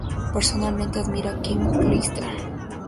Personalmente admira a Kim Clijsters.